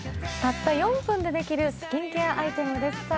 たった４分でできるスキンケアアイテムです。